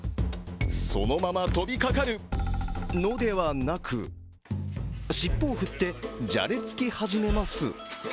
そのまま飛びかかるのではなく尻尾を振ってじゃれつき始めます。